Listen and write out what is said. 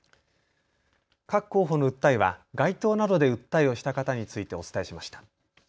各候補の訴えは街頭などで訴えをした方についてお伝えしました。